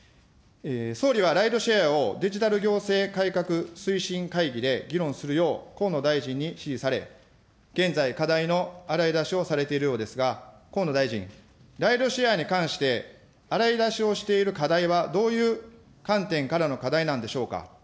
総理はライドシェアを、デジタル行政改革推進会議で議論するよう河野大臣に指示され、現在、課題の洗い出しをされているようですが、河野大臣、ライドシェアに関して、洗い出しをしている課題はどういう観点からの課題なんでしょうか。